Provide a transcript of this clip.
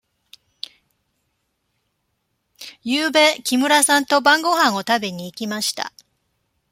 ゆうべ木村さんと晩ごはんを食べに行きました。